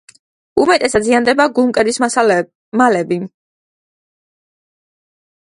უმეტესად ზიანდება გულმკერდის მალები.